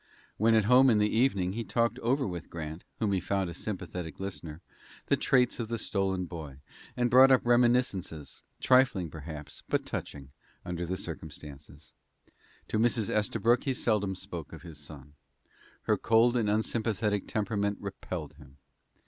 When at home in the evening he talked over with Grant, whom he found a sympathetic listener, the traits of the stolen boy, and brought up reminiscences, trifling, perhaps, but touching, under the circumstances. To Mrs. Estabrook he seldom spoke of his son. Her cold and unsympathetic temperament repelled him.